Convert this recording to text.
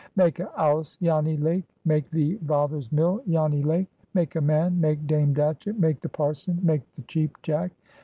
"Make a 'ouse, Janny Lake." "Make thee vather's mill, Janny Lake." "Make a man. Make Dame Datchett. Make the parson. Make the Cheap Jack.